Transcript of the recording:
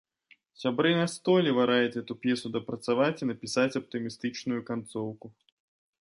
Сябры настойліва раяць гэту п'есу дапрацаваць і напісаць аптымістычную канцоўку.